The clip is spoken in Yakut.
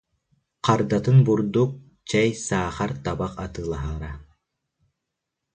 Хардатын бурдук, чэй, саахар, табах атыылаһара